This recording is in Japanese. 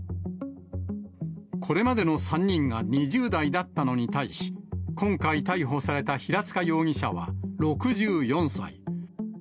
これまでの３人が２０代だったのに対し、今回逮捕された平塚容疑者は６４歳。